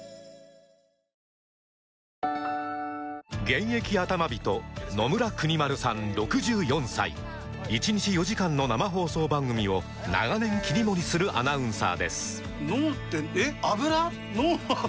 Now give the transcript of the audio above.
現役アタマ人野村邦丸さん６４歳１日４時間の生放送番組を長年切り盛りするアナウンサーです